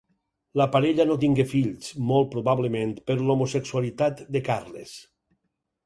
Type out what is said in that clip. La parella no tingué fills, molt probablement per l'homosexualitat de Carles.